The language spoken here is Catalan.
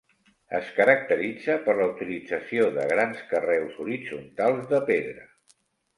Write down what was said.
Es caracteritza per la utilització de grans carreus horitzontals de pedra.